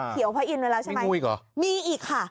เขียวพะอินไว้แล้วใช่ไหมมีงูอีกหรอมีอีกค่ะ